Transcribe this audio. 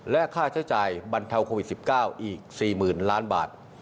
และค่าใช้จ่ายบรรเทาโควิด๑๙อีก๔๐๐๐ล้านบาท